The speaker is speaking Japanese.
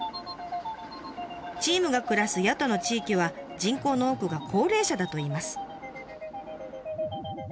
チームが暮らす谷戸の地域は人口の多くが高齢者だといいます。